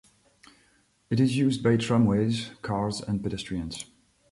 It is used by tramways, cars and pedestrians.